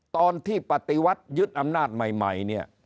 ตอนที่ปฏิวัติยึดอำนาจใหม่เนี่ย